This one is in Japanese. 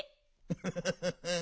ムフフフ。